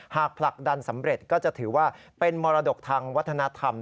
ผลักดันสำเร็จก็จะถือว่าเป็นมรดกทางวัฒนธรรม